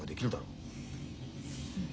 うん。